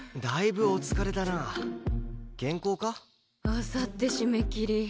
あさって締め切り。